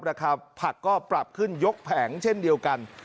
ราคาผักก็ปรับขึ้นยกแผงเช่นเดียวกัน